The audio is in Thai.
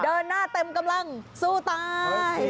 เดินหน้าเต็มกำลังสู้ตาย